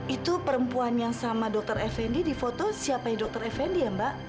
itu perempuan yang sama dr effendi di foto siapa dokter effendi ya mbak